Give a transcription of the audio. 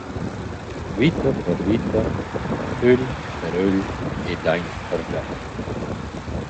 Vita per vita, ögl per ögl e daint per daint.